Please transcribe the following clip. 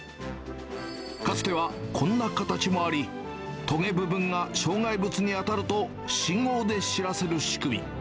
かつてはこんな形もあり、とげ部分が障害物に当たると、信号で知らせる仕組み。